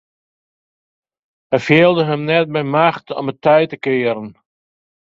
Hy fielde him net by machte om it tij te kearen.